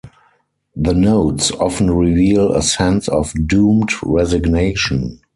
The notes often reveal a sense of doomed resignation.